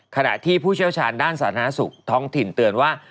ขณะที่ผู้เชี่ยวชาญด้านสาธารณสุขท้องถิ่นเตือนว่า